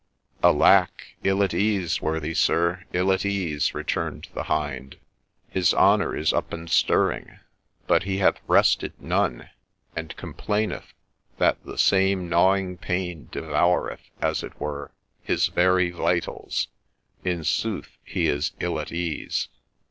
' Alack ! ill at ease, worthy sir, ill at ease,' returned the hind ;' his honour is up and stirring ; but he hath rested none, and complaineth that the same gnawing pain devoureth, as it were, his very vitals : in sooth he is ill at ease.'